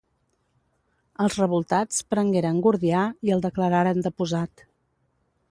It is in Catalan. Els revoltats prengueren Gordià i el declararen deposat.